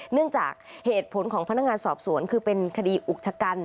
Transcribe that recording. เนื่องจากเหตุผลของพนักงานสอบสวนคือเป็นคดีอุกชะกัน